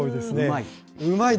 うまい。